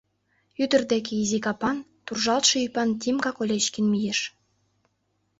— ӱдыр деке изи капан, туржалтше ӱпан Тимка Колечкин мийыш.